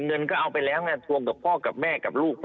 เงินก็เอาไปแล้วไงทวงกับพ่อกับแม่กับลูก